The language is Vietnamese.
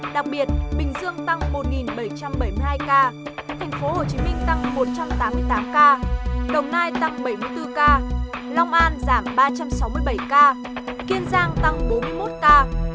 đặc biệt bình dương tăng một bảy trăm bảy mươi hai ca tp hcm tăng một trăm tám mươi tám ca đồng nai tăng bảy mươi bốn ca long an giảm ba trăm sáu mươi bảy ca kiên giang tăng bốn mươi một ca